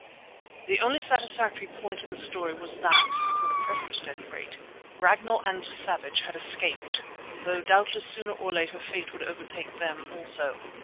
The only satisfactory point in the story was that, for the present at any rate, Ragnall and Savage had escaped, though doubtless sooner or later fate would overtake them also.